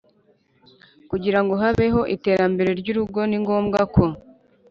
Kugira ngo habebo iterambere ry’urugo ni ngombwa ko